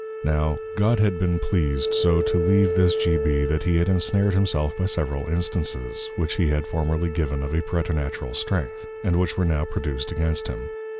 _ Now, God had been pleased so to leave this G. B. that he had ensnared himself by several Instances, which he had formerly given of a Preternatural Strength, and which were now produced against him.